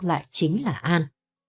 lại chính là an